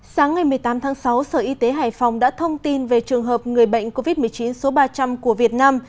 sáng ngày một mươi tám tháng sáu sở y tế hải phòng đã thông tin về trường hợp người bệnh covid một mươi chín số ba trăm linh của việt nam